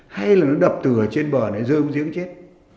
hay là nó đập từ ở trên bờ này rơi xuống giếng chết